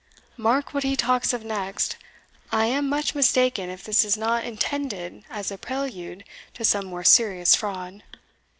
Mark what he talks of next. I am much mistaken if this is not intended as a prelude to some more serious fraud.